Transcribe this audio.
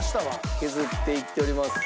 「削っていっております」